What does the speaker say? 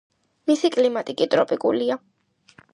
მისი კლიმატი კი ტროპიკულია.